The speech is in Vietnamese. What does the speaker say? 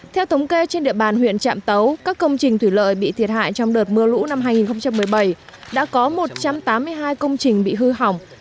theo thống kê trên địa bàn huyện trạm tấu các công trình thủy lợi bị thiệt hại trong đợt mưa lũ năm hai nghìn một mươi bảy đã có một trăm tám mươi hai công trình bị hư hỏng